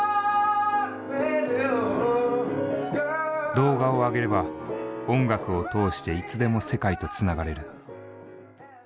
動画をあげれば音楽を通していつでも世界とつながれる。